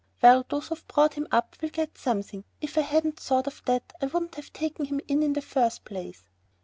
"Well, those who've brought him up will get something. If I hadn't thought of that I wouldn't have taken him in the first place."